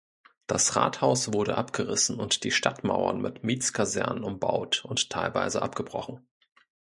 Das Rathaus wurde abgerissen und die Stadtmauern mit Mietskasernen umbaut und teilweise abgebrochen.